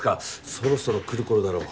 そろそろ来る頃だろうか。